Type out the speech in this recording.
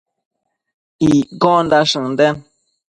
Iccondash ënden